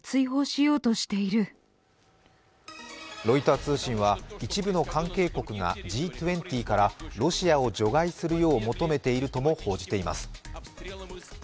ロイター通信は、一部の関係国がＧ２０からロシアを除外するよう求めているとも報じています。